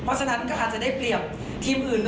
เพราะฉะนั้นก็อาจจะได้เปรียบทีมอื่น